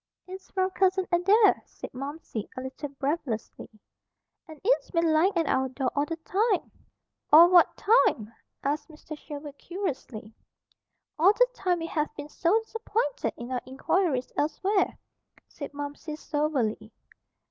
"It's from Cousin Adair," said Momsey, a little breathlessly. "And it's been lying at our door all the time." "All what time?" asked Mr. Sherwood curiously. "All the time we have been so disappointed in our inquiries elsewhere," said Momsey soberly.